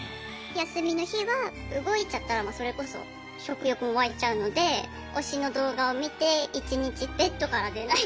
休みの日は動いちゃったらそれこそ食欲も湧いちゃうので推しの動画を見て一日ベッドから出ない。